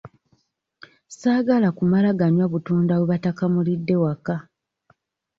Saagala kumala ganywa butunda bwe batakamulidde waka.